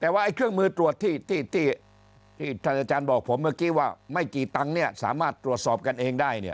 แต่ว่าเครื่องมือตรวจที่ท่านอาจารย์บอกผมเมื่อกี้ว่าไม่กี่ตังค์เนี่ยสามารถตรวจสอบกันเองได้เนี่ย